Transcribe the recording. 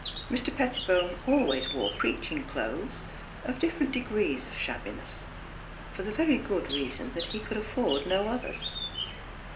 Mr. Pettibone always wore " preaching clothes " of different de grees of shabbiness, for the very good reason that he could afford no others.